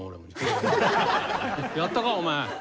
「やったか？お前」。